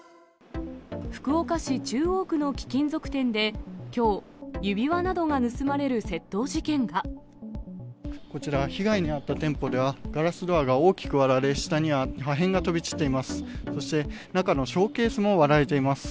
福岡市中央区の貴金属店で、きょう、こちら、被害に遭った店舗では、ガラスドアが大きく割られ、下には破片が飛び散っています。